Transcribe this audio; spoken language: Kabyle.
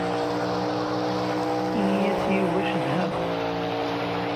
Ini-as i Yuba cedhaɣ-t.